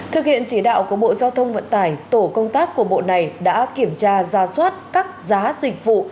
thực hiện chỉ đạo của bộ giao thông vận tải tổ công tác của bộ này đã kiểm tra ra soát các giá dịch vụ